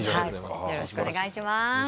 よろしくお願いします。